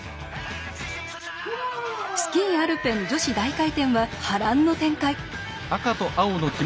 スキー・アルペン女子大回転は波乱の展開。